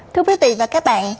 thưa quý vị và các bạn